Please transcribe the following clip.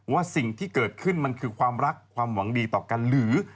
ว่าสิ่งที่เกิดขึ้นมันคือความรักความหวังดีต่อกันหรือ